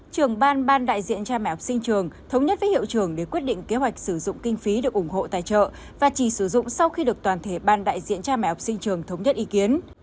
trường ban ban đại diện cha mẹ học sinh trường thống nhất với hiệu trường để quyết định kế hoạch sử dụng kinh phí được ủng hộ tài trợ và chỉ sử dụng sau khi được toàn thể ban đại diện cha mẹ học sinh trường thống nhất ý kiến